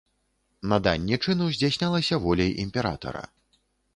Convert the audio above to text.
Наданне чыну здзяйснялася воляй імператара.